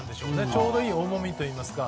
ちょうどいい重みといいますか。